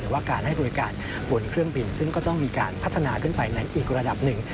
ว่าการให้บริการบนเครื่องบินซึ่งก็ต้องมีการพัฒนาขึ้นไปในอีกระดับหนึ่ง